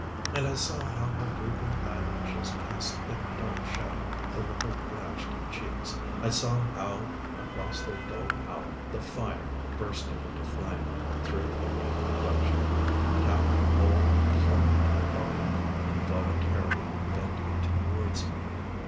And I saw how her drooping eyelashes cast thick dark shadow over her blanched cheeks. I saw how across their dull pallor the fire, bursting into flame, threw a red reflection, and how her whole pliant body involuntarily bent towards me.